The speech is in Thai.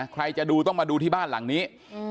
ใครจะดูต้องมาดูที่บ้านหลังนี้